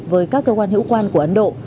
với các cơ quan hữu quan của ấn độ